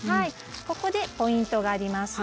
ここでポイントがあります。